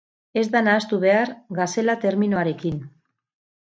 Ez da nahastu behar gazela terminoarekin.